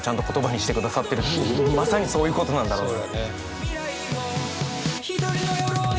まさにそういうことなんだろうな。